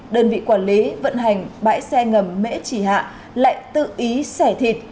đơn vị quản lý vận hành bãi xe ngầm mễ trì hạ lại tự ý sẻ thịt